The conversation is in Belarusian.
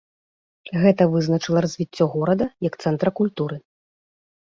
Гэта вызначыла развіццё горада як цэнтра культуры.